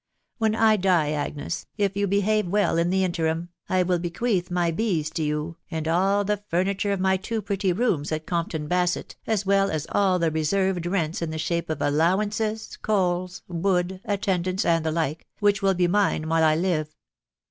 When I die, Agnes, if you behave well in the interim, I will bequeath my bees to you, and all the furni ture of my two pretty rooms at Comptoa Baaett* as well as all the reserved rents in the shape of allowances, coals, wood* at tendance, and the like, which will be mine while I live.